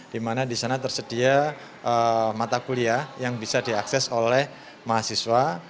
di mana di sana tersedia mata kuliah yang bisa diakses oleh mahasiswa